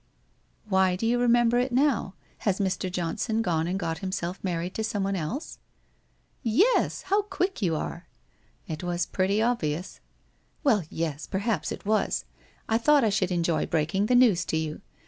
' Why do you remember it now ? Has Mr. Johnson gone and got himself married to some one else ?'' Yes, how quick you are !'' It was pretty obvious/ ' Well, yes, perhaps it was. I thought I should enjoy breaking the news to you.